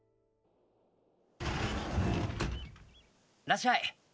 ・らっしゃい。